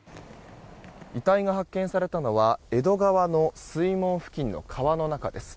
遺体が発見されたのは江戸川の水門付近の川の中です。